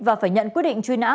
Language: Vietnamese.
và phải nhận quyết định truy nã